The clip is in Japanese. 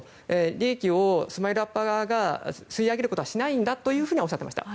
利益をＳＭＩＬＥ‐ＵＰ．側が吸い上げることはしないんだとはおっしゃっていました。